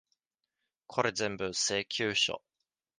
これぜんぶ、請求書。